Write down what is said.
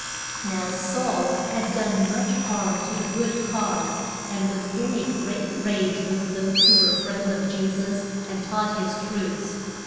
] Now Saul had done much harm to the good cause, and was in a great rage with those who were friends of Je sus and taught his truths.